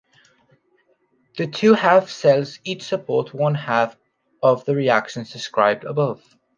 The two half cells each support one half of the reactions described above.